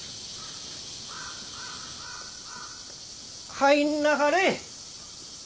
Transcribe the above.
入んなはれ。